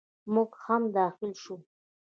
موږ هم داخل شوو.